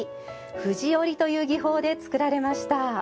藤織りという技法で作られました。